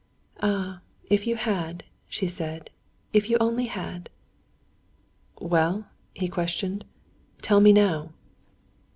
"Ah, if you had," she said, "if you only had!" "Well?" he questioned. "Tell me now."